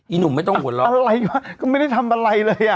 หนุ่มไม่ต้องหัวเราะอะไรวะก็ไม่ได้ทำอะไรเลยอ่ะ